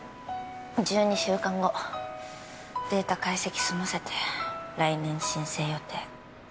１２週間後データ解析済ませて来年申請予定